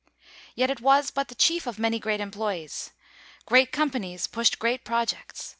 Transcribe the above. Yet it was but the chief of many great employes. Great companies pushed great projects.